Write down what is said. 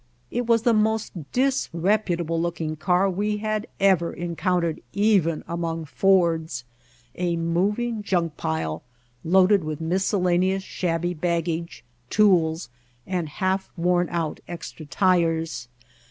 It was the most disreputable looking car we had ever en countered even among Fords, a moving junk pile loaded with miscellaneous shabby baggage, How We Found Mojave tools, and half worn out extra tires.